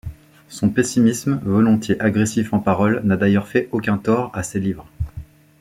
Son pessimisme, volontiers agressif en paroles, n’a d’ailleurs fait aucun tort à ses livres.